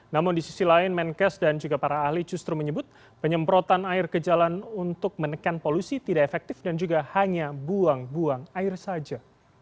namun di sisi lain menkes dan juga para ahli justru menyebut penyemprotan air ke jalan untuk menekan polusi tidak efektif dan juga hanya buang buang air saja